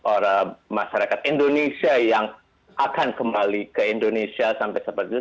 orang masyarakat indonesia yang akan kembali ke indonesia sampai seperti itu